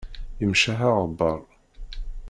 Yemceḥ aɣebbar.